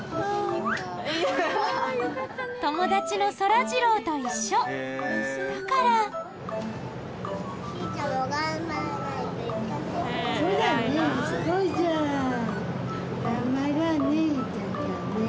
友達のそらジローと一緒だからそうだねすごいじゃん頑張ろうね。